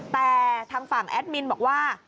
แต่ทางฝั่งแอดมินบอกว่า